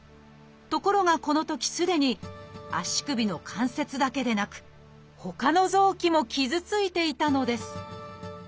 ところがこのときすでに足首の関節だけでなくほかの臓器も傷ついていたのです